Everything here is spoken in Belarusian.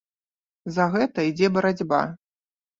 За гэта ідзе барацьба.